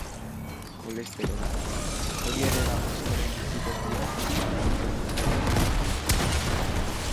Kolesterola, hori ere bada askoren bizitokia eta mikromundua.